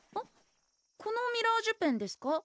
このミラージュペンですか？